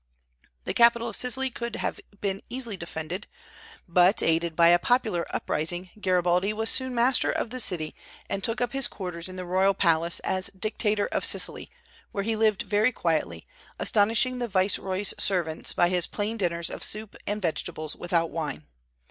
The capital of Sicily could have been easily defended; but, aided by a popular uprising, Garibaldi was soon master of the city, and took up his quarters in the royal palace as Dictator of Sicily, where he lived very quietly, astonishing the viceroy's servants by his plain dinners of soup and vegetables without wine.